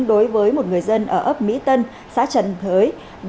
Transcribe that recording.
đối với một người dân ở ấp mỹ tân xã trần thới